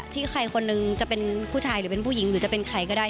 ใครคนหนึ่งจะเป็นผู้ชายหรือเป็นผู้หญิงหรือจะเป็นใครก็ได้